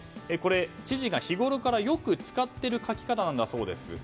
これ、知事が日ごろからよく使っている書き方だそうです。